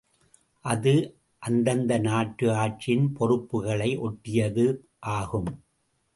அது அந்தந்த நாட்டு ஆட்சியின் பொறுப்புகளை ஒட்டியதும் ஆகும்.